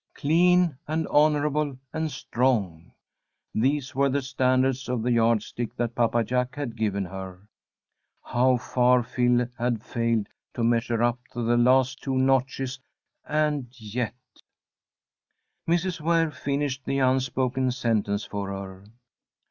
"Clean, and honourable, and strong!" These were the standards of the yardstick that Papa Jack had given her. How far Phil had failed to measure up to the last two notches, and yet Mrs. Ware finished the unspoken sentence for her.